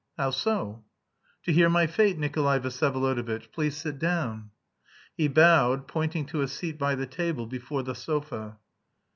"How so?" "To hear my fate, Nikolay Vsyevolodovitch. Please sit down." He bowed, pointing to a seat by the table, before the sofa.